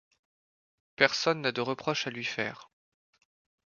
Personne n’a de reproches à lui faire.